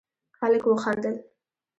هلک وخندل: